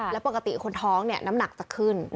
และปกติคนท้องน้ำหนักจะขึ้น